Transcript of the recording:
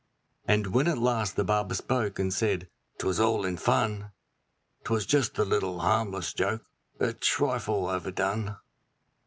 And when at last the barber spoke, and said, ''Twas all in fun 'Twas just a little harmless joke, a trifle overdone.'